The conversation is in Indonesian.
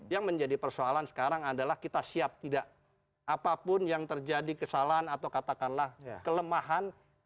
yang menjadi persoalan sekarang adalah kita siap tidak apapun yang terjadi kesalahan atau katakanlah kelemahan